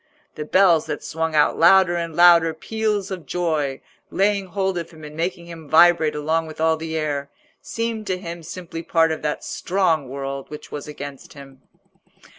The bells that swung out louder and louder peals of joy, laying hold of him and making him vibrate along with all the air, seemed to him simply part of that strong world which was against him.